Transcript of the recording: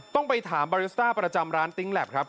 ต้องไปถามบาริสสตาร์ประจำร้านทิ๊ง็แลบ